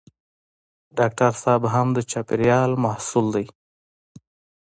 ډاکټر صېب هم د چاپېریال محصول دی.